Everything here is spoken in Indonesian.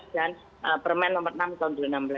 dan permen nomor enam tahun dua ribu enam belas